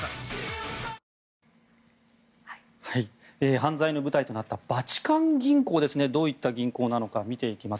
犯罪の舞台となったバチカン銀行ですねどういった銀行なのか見ていきます。